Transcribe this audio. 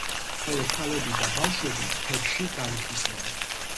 ხოლო ქალები და ბავშვები მთებში გაიხიზნენ.